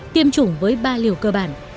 tiêm chủng với ba liều cơ bản